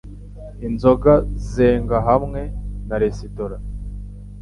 inzoga zenga hamwe na resitora